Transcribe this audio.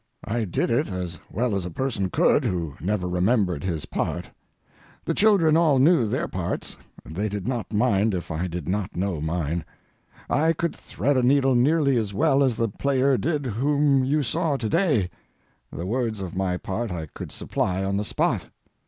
I did it as well as a person could who never remembered his part. The children all knew their parts. They did not mind if I did not know mine. I could thread a needle nearly as well as the player did whom you saw to day. The words of my part I could supply on the spot.